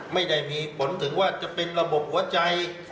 ไม่ได้มีผลถึงว่าจะเป็นระบบหัวใจ